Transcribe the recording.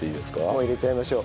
もう入れちゃいましょう。